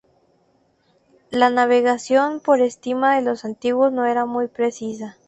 La navegación por estima de los antiguos no era muy precisa.